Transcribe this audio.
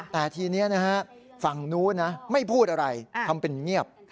แต่ทีนี้นะฮะฝั่งนู้นนะไม่พูดอะไรทำเป็นเงียบ